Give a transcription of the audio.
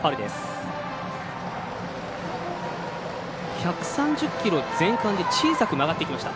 １３０キロ前半で小さく曲がっていきました。